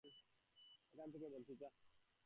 যা, এখান থেকে যা বলছি, যা।